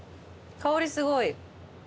香りすごい。